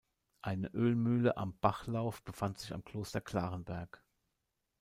Eine Ölmühle am Bachlauf befand sich am Kloster Clarenberg.